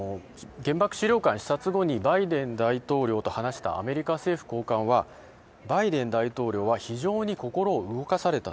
原爆資料館の視察後にバイデン大統領と話したアメリカ政府高官はバイデン大統領は非常に心を動かされた。